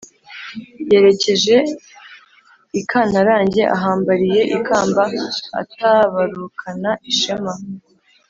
Yerekeje i kantarange, ahambariye ikamba atabarukana ishema